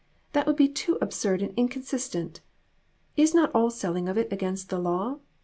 That would be too absurd and incon sistent. Is not all selling of it against the law?